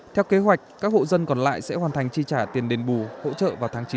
theo kế hoạch các hộ dân còn lại sẽ hoàn thành chi trả tiền đền bù hỗ trợ vào tháng chín